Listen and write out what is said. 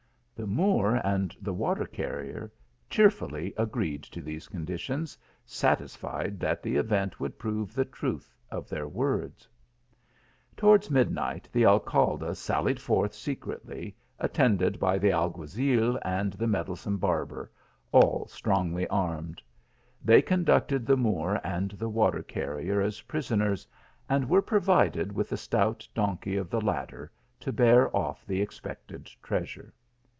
The Moor and the water carrier cheerfully agreed to these conditions, satisfied that the event would prove the truth of their words. Towards midnight the Alcalde sallied forth se cretly, attended by the alguazil and the meddlesome barber, all strongly armed. They conducted the Moor and the water carrier as prisoners, and were provided with the stout donkey of the latter, to bear off the expected treasure.